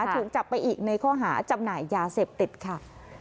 ถูกจับไปอีกในข้อหาจำหน่ายยาเสพติดค่ะ